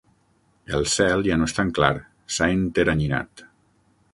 El cel ja no és tan clar: s'ha enteranyinat.